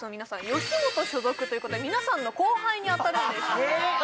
吉本所属ということで皆さんの後輩に当たるんですえっ